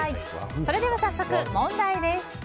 それでは早速問題です。